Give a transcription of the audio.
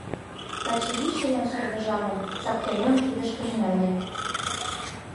Качырий, чоян шыргыжалын, сапкеремым кидышкыже нале.